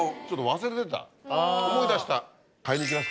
ちょっと忘れてた思い出した。